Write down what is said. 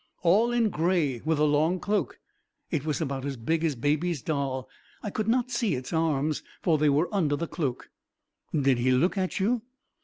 "All in grey, with a long cloak. It was about as big as Baby's doll. I could not see its arms, for they were under the cloak." "Did he look at you?"